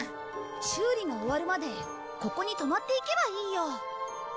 修理が終わるまでここに泊まっていけばいいよ。